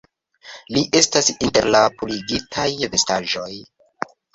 Li estas inter la purigitaj vestaĵoj